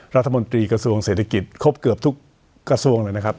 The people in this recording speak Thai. รัฐมนตรีกระทรวงเศรษฐกิจครบเกือบทุกกระทรวงเลยนะครับ